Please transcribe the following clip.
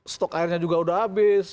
stok airnya juga sudah habis